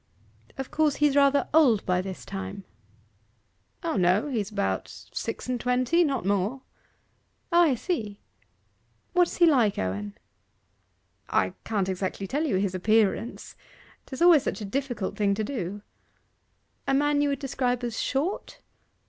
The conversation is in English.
'Of course he's rather old by this time.' 'O no. He's about six and twenty not more.' 'Ah, I see.... What is he like, Owen?' 'I can't exactly tell you his appearance: 'tis always such a difficult thing to do.' 'A man you would describe as short?